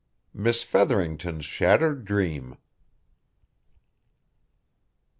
MISS FEATHERINGTON'S SHATTERED DREAM.